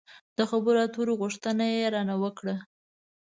د خبرو اترو غوښتنه يې را نه وکړه.